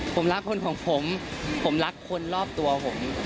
ผมรักคนของผมผมรักคนรอบตัวผม